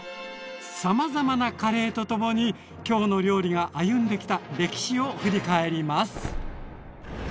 さまざまなカレーとともに「きょうの料理」が歩んできた歴史を振り返ります。